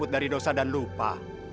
dari dosa dan lupa